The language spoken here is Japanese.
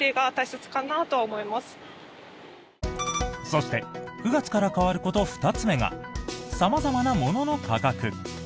そして９月から変わること２つ目が様々なものの価格。